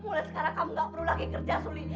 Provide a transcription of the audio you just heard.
mulai sekarang kamu tidak perlu lagi kerja suli